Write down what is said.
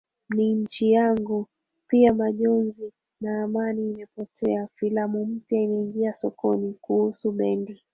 ni nchi yangu pia majonzi na amani imepotea Filamu mpya imeingia sokoni kuhusu bendi